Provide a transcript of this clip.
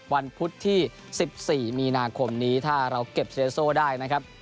วันพุธที่๑๔มีนาคมนี้ถ้าเราเก็บเซนโซได้นะครับ